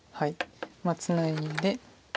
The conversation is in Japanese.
ツナいで。